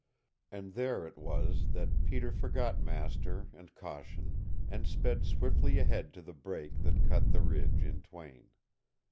And there it was that Peter forgot master and caution and sped swiftly ahead to the break that cut the Ridge in twain.